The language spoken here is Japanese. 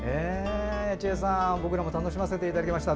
僕らも楽しませていただきました。